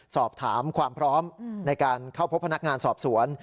สอบถามความพร้อมในการเข้าพบพนักงานสอบสวน